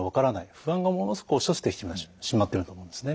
不安がものすごく押し寄せてきてしまっているんだと思うんですね。